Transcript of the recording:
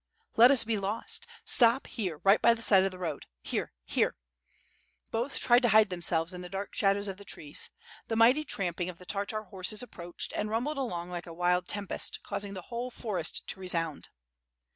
"Let us be lost! Stop here, right by the side of the road. ... Here, here." Both tried to liide themselves in the dark shadows of the trees. The mighty tramping of the Tartar horses approached, and rumbled along like a wild tempest, causing the whole forest to resound.